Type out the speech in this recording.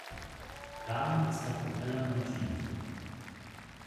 Daran ist der Propeller montiert.